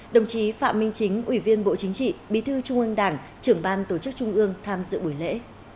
đồng chí phạm minh chính ủy viên bộ chính trị bí thư trung ương đảng trưởng ban tổ chức trung ương tham dự buổi lễ